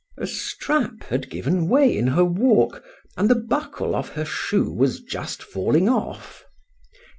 A strap had given way in her walk, and the buckle of her shoe was just falling off.